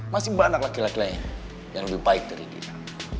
masih banyak laki laki lain yang lebih baik dari kita